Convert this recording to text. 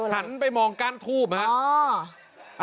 หันไปมองก้านทูบครับ